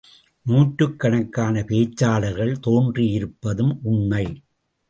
நூற்றுக்கணக்கான பேச்சாளர்கள் தோன்றியிருப்பதும் உண்மை.